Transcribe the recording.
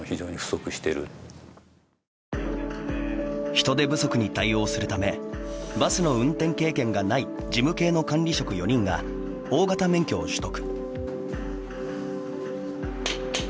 人手不足に対応するためバスの運転経験がない事務系の管理職４人が大型免許を取得。